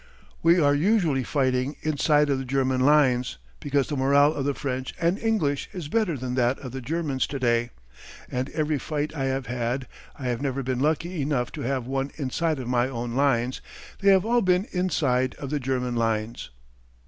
We are usually fighting inside of the German lines, because the morale of the French and English is better than that of the Germans to day; and every fight I have had I have never been lucky enough to have one inside of my own lines they have all been inside of the German lines.